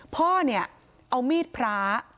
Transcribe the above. พ่อเนี่ยเอามีดพระ